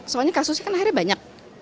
soalnya kasusnya kan akhirnya banyak